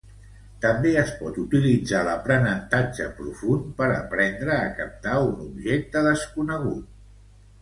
També es pot utilitzar l'aprenentatge profund per aprendre a captar un objecte desconegut.